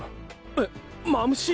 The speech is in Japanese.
えっマムシ！